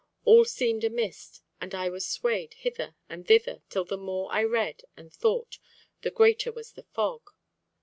All seemed a mist, and I was swayed hither and thither till the more I read and thought, the greater was the fog.